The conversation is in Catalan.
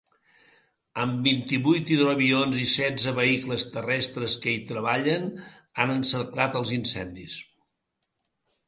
Els vint-i-vuit hidroavions i setze vehicles terrestres que hi treballen han encerclat els incendis.